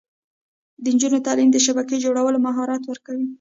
د نجونو تعلیم د شبکې جوړولو مهارت ورکوي.